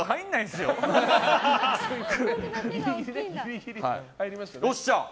よっしゃ。